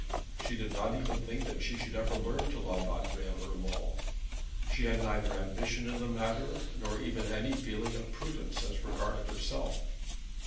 She did not even think that she should ever learn to love Adrian Urmand. She had neither ambition in the matter, nor even any feeling of prudence as regarded herself.